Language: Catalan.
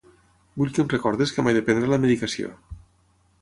Vull que em recordis que m'he de prendre la medicació.